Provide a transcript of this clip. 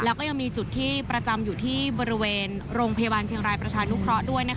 แล้วก็ยังมีจุดที่ประจำอยู่ที่บริเวณโรงพยาบาลเชียงรายประชานุเคราะห์ด้วย